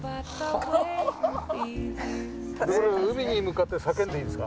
海に向かって叫んでいいですか？